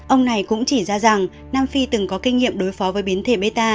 ông này cũng chỉ ra rằng nam phi từng có kinh nghiệm đối phó với biến thể meta